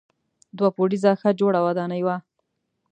دوه پوړیزه ښه جوړه ودانۍ وه.